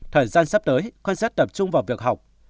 thời gian sắp tới con sẽ tập trung vào việc học